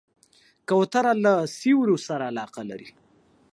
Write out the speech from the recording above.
کوتره له سیوریو سره علاقه لري.